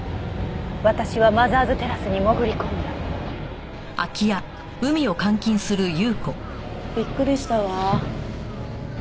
「私はマザーズテラスに潜り込んだ」びっくりしたわ。